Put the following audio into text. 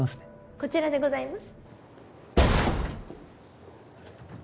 こちらでございます